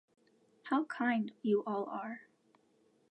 How kind you all are!